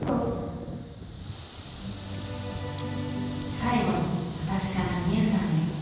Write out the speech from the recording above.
最後に私から美雨さんへ。